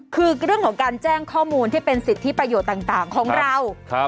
คือเรื่องของการแจ้งข้อมูลที่เป็นสิทธิประโยชน์ต่างของเรา